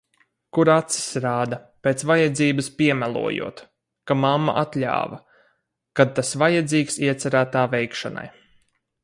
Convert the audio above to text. Kur acis rāda, pēc vajadzības piemelojot, ka mamma atļāva, kad tas vajadzīgs iecerētā veikšanai.